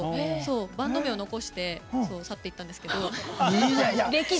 バンド名を残して去っていったんですけど。